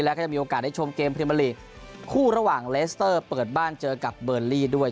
แล้วก็ยังมีโอกาสได้ชมเกมพรีเมอร์ลีกคู่ระหว่างเลสเตอร์เปิดบ้านเจอกับเบอร์ลี่ด้วย